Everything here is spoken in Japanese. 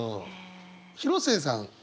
広末さん